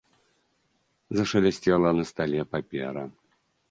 Зашалясцела на стале папера.